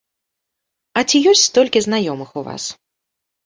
А ці ёсць столькі знаёмых у вас?!